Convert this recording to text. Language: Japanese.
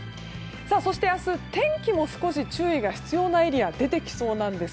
そして、明日天気も注意が必要なエリアが出てきそうです。